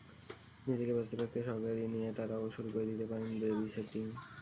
নিজেকে ব্যস্ত রাখতে সহকারী নিয়ে তাঁরাও শুরু করে দিতে পারেন বেবিসিটিং।